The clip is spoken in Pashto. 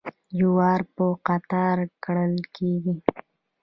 جوار په قطار کرل کیږي.